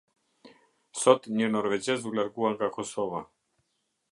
Sot një norvegjez u largua nga Kosova.